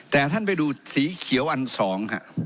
แต่ท่านไปดูสีเขียวอันสองค่ะ